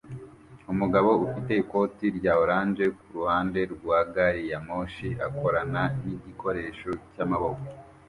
Umugabo ufite ikoti rya orange kuruhande rwa gari ya moshi akorana nigikoresho cyamaboko